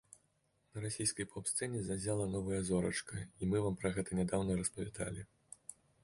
На расійскай поп-сцэне заззяла новая зорачка, і мы вам пра гэта нядаўна распавядалі.